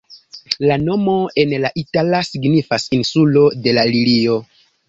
La nomo en la itala signifas "insulo de la lilio".